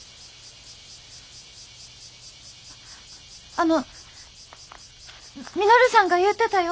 あの稔さんが言うてたよ。